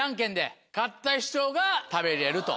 勝った人が食べれると。